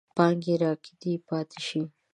پانګې راکدې پاتې شي.